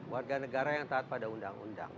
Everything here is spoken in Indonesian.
warga negara yang taat pada undang undang